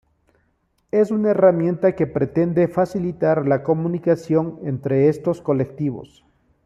Es una herramienta que pretende facilitar la comunicación entre estos colectivos.